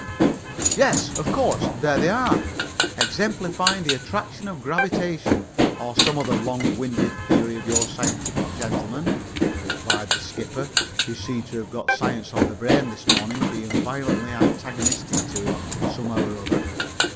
"Yes, of course, there they are, exemplifying the attraction of gravitation or some other long winded theory of your scientific gentlemen," replied the skipper, who seemed to have got science on the brain this morning, being violently antagonistic to it, somehow or other.